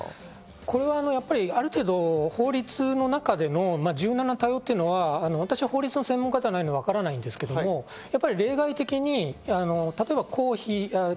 これはやっぱりある程度、法律の中での柔軟な対応というのは、私は法律の専門家ではないのでわからないですけど、例外的に例えば公費。